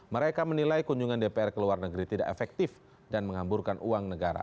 mereka menilai kunjungan dpr ke luar negeri tidak efektif dan menghamburkan uang negara